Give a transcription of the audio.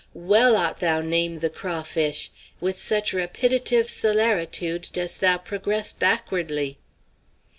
well aht thou name' the crawfish; with such rapiditive celeritude dost thou progress backwardly!"